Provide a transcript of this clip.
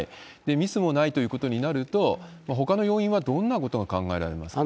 ミスもないということになると、ほかの要因はどんなことが考えられますか？